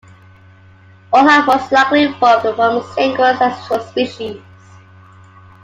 All have most likely evolved from a single ancestral species.